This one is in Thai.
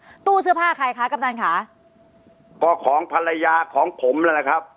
ตู้เสื้อผ้าใครคะกำนันค่ะก็ของภรรยาของผมนั่นแหละครับ